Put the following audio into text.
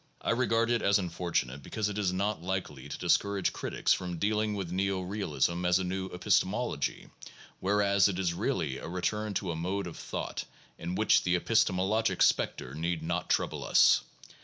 I regard it as unfortunate because it is not likely to discourage crit ics from dealing with neo realism as a new epistemology, whereas it is really a return to a mode of thought in which the epistemologic specter need not trouble us.